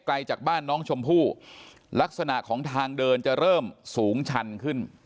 จากบ้านน้องชมพู่ลักษณะของทางเดินจะเริ่มสูงชันขึ้น